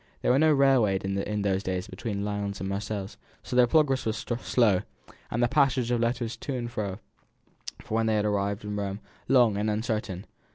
There was no railroad in those days between Lyons and Marseilles, so their progress was slow, and the passage of letters to and fro, when they had arrived in Rome, long and uncertain.